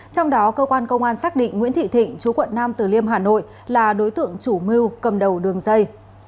trong đó cơ quan công an xác định nguyễn thị thịnh chú quận nam tử liêm hà nội là đối tượng chủ mưu cầm đầu đường dây